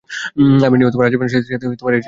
Armenia ও আজারবাইজানের সাথে এর সীমান্ত আছে।